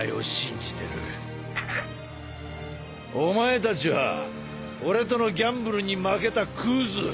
お前たちは俺とのギャンブルに負けたクズ！